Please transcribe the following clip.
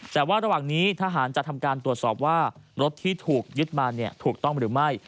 แต่ว่าระหว่างนี้ทหารจะทำการตรวจสอบว่ารถที่ถูกยึดมาถูกต้องหรือไม่